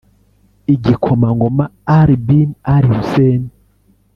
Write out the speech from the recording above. Igikomangoma Ali bin al-Hussein